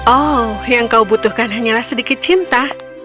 oh yang kau butuhkan hanyalah sedikit cinta